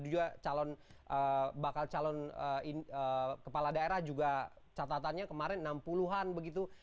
juga bakal calon kepala daerah juga catatannya kemarin enam puluh an begitu